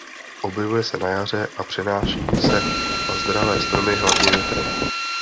Objevuje se na jaře a přenáší se na zdravé stromy hlavně větrem.